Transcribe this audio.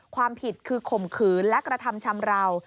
ความผิดคือข่มขืนและกระทำชำราว